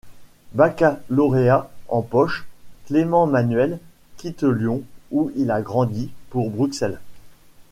Baccalauréat en poche, Clément Manuel quitte Lyon où il a grandi, pour Bruxelles.